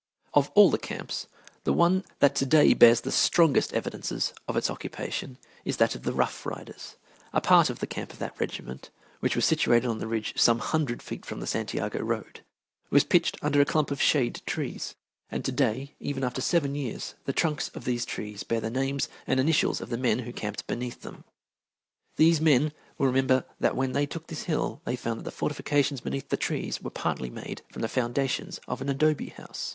Of all the camps, the one that to day bears the strongest evidences of its occupation is that of the Rough Riders. A part of the camp of that regiment, which was situated on the ridge some hundred feet from the Santiago road, was pitched under a clump of shade trees, and to day, even after seven years, the trunks of these trees bear the names and initials of the men who camped beneath them. These men will remember that when they took this hill they found that the fortifications beneath the trees were partly made from the foundations of an adobe house.